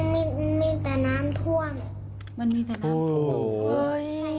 ไม่มีมีแต่น้ำท่วมมันมีแต่น้ำท่วมเอ้ย